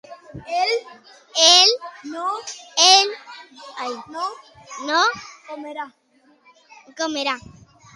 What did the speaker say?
él no comerá